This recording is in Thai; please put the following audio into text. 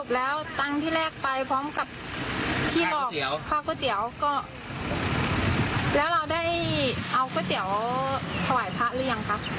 แต่สุดท้ายเราก็ต้องเลี้ยงพระอีกดี